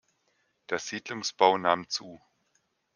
Der Siedlungsbau nahm zu.